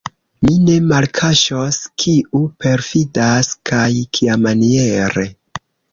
Mi ne malkaŝos, kiu perfidas, kaj kiamaniere.